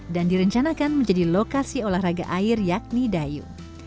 dan direncanakan menjadi lokasi olahraga air yakni dayu